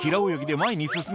前に進め。